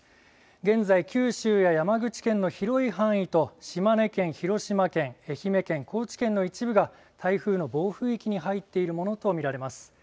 現在、九州や山口県の広い範囲と島根県、広島県、愛媛県、高知県の一部が台風の暴風域に入っているものと見られます。